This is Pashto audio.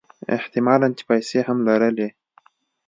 احت مالًا چې پیسې هم لرلې.